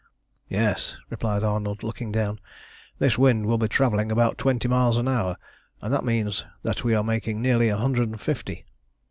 "Yes," replied Arnold, looking down. "This wind will be travelling about twenty miles an hour, and that means that we are making nearly a hundred and fifty.